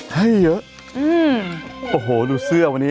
ให้เยอะโอ้โหดูเสื้อวันนี้